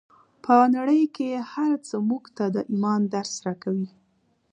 په نړۍ کې هر څه موږ ته د ایمان درس راکوي